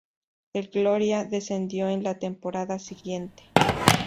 El Gloria descendió en la temporada siguiente.